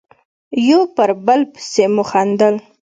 یو پر بل پسې مو خندل.